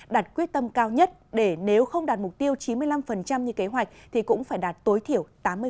đạt quyết tâm cao nhất để nếu không đạt mục tiêu chín mươi năm như kế hoạch thì cũng phải đạt tối thiểu tám mươi